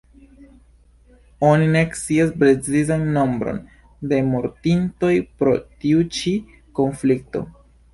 Oni ne scias precizan nombron de mortintoj pro tiu ĉi konflikto.